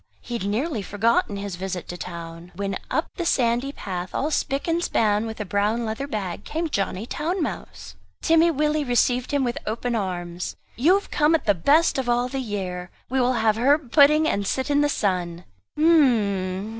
He had nearly forgotten his visit to town. When up the sandy path all spick and span with a brown leather bag came Johnny Town mouse! Timmy Willie received him with open arms. "You have come at the best of all the year, we will have herb pudding and sit in the sun." "H'm'm!